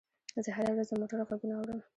زه هره ورځ د موټر غږونه اورم.